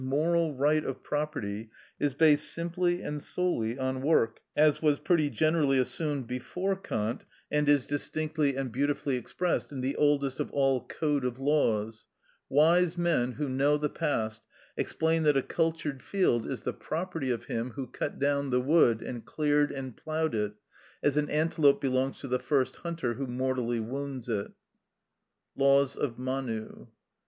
_, moral, right of property is based simply and solely on work, as was pretty generally assumed before Kant, and is distinctly and beautifully expressed in the oldest of all codes of law: "Wise men who know the past explain that a cultured field is the property of him who cut down the wood and cleared and ploughed it, as an antelope belongs to the first hunter who mortally wounds it" (Laws of Manu, ix.